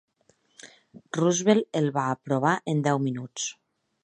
Roosevelt el va aprovar en deu minuts.